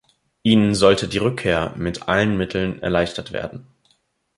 Ihnen sollte die Rückkehr mit allen Mitteln erleichtert werden.